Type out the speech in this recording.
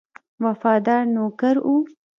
وفادار نوکر وو.